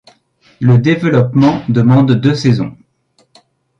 Le développement demande deux saisons.